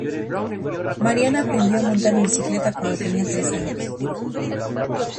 Mariana aprendió a montar en bicicleta cuando tenía tres años.